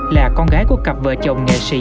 là con gái của cặp vợ chồng nghệ sĩ